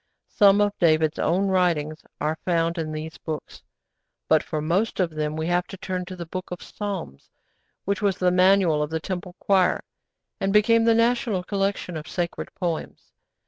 Some of David's own writings are found in these books, but for most of them we have to turn to the Book of the Psalms, which was the manual of the Temple choir, and became the national collection of sacred poems.